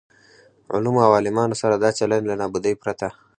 علومو او عالمانو سره دا چلن له نابودۍ پرته.